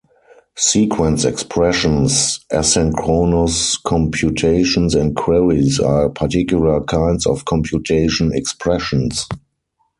Sequence expressions, asynchronous computations and queries are particular kinds of computation expressions.